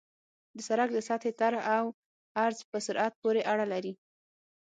د سرک د سطحې طرح او عرض په سرعت پورې اړه لري